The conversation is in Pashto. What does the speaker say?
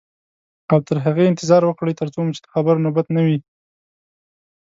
او تر هغې انتظار وکړئ تر څو مو چې د خبرو نوبت نه وي.